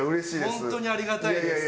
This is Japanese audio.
本当にありがたいです。